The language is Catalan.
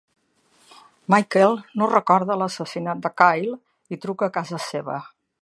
Michael no recorda l'assassinat de Kyle i truca a casa seva.